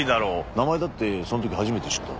名前だってその時初めて知った。